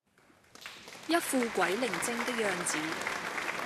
一副鬼靈精的樣子